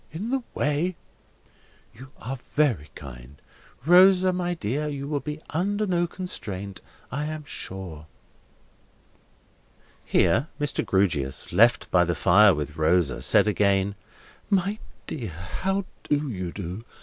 In the way!" "You are very kind.—Rosa, my dear, you will be under no restraint, I am sure." Here Mr. Grewgious, left by the fire with Rosa, said again: "My dear, how do you do?